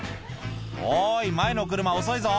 おい前の車遅いぞ！